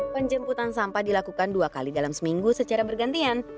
penjemputan sampah dilakukan dua kali dalam seminggu secara bergantian